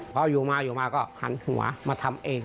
พออยู่มาก็หันหัวมาทำเอง